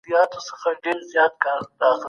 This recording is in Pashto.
د بهرنیو چارو وزارت بهرنۍ پانګونه نه ردوي.